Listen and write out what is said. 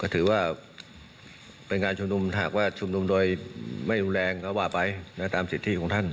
ก็ถือว่าเป็นการชุมนุมหากว่าชุมนุมโดยไม่รุนแรงก็ว่าไปตามสิทธิของท่าน